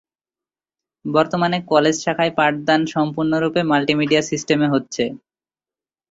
বর্তমানে কলেজ শাখায় পাঠদান সম্পূর্ণরূপে মাল্টিমিডিয়া সিস্টেমে হচ্ছে।